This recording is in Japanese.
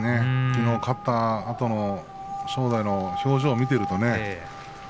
きのう勝ったあとの正代の表情を見ているとね。